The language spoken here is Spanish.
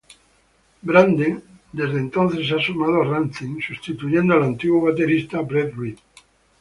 Branden desde entonces se ha sumado a Rancid sustituyendo al antiguo baterista Brett Reed.